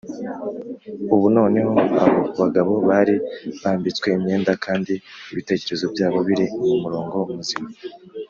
ubu noneho abo bagabo bari bambitswe imyenda kandi ibitekerezo byabo biri mu murongo muzima,